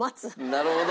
なるほど！